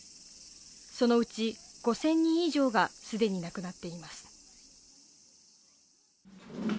そのうち５０００人以上が既に亡くなっています。